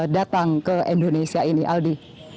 datang ke indonesia ini aldi